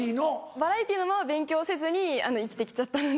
バラエティーの勉強せずに生きて来ちゃったので。